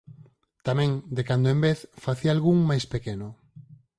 Tamén, de cando en vez, facía algún máis pequeno.